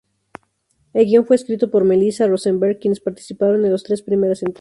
El guion fue escrito por Melissa Rosenberg, quienes participaron en las tres primeras entregas.